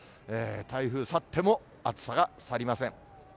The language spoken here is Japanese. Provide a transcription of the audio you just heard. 台風去っても、暑さが去りません。